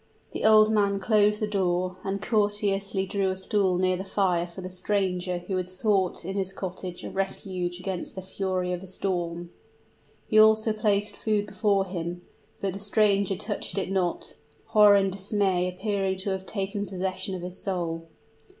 The old man closed the door, and courteously drew a stool near the fire for the stranger who had sought in his cottage a refuge against the fury of the storm. He also placed food before him; but the stranger touched it not horror and dismay appearing to have taken possession of his soul.